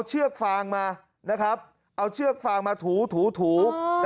เอาเชือกฟางมาถูถูถู